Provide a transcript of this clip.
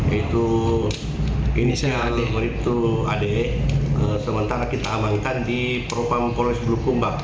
yaitu inisial adik brip dua ad sementara kita amankan di propam polres bulukumba